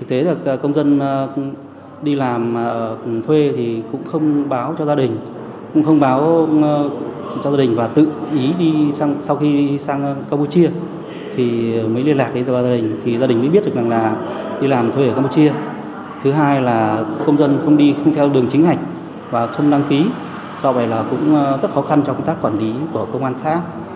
thứ hai là công dân không đi theo đường chính hành và không đăng ký do vậy là cũng rất khó khăn cho công tác quản lý của công an xã